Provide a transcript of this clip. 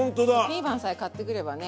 ピーマンさえ買ってくればね